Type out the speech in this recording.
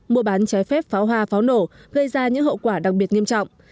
mua bán trái phép pháo hoa pháo nổ gây ra những hậu quả đặc biệt nghiêm trọng